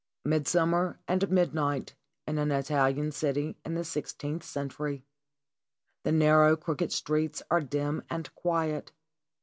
Midsummer and midnight in an Italian city in the sixteenth century. The narrow, crooked streets are dim and quiet.